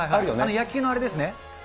野球のあれですね？